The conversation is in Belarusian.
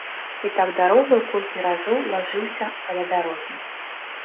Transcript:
І так дарогаю колькі разоў лажыўся каля дарогі.